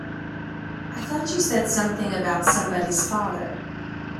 I thought you said something about somebody's father.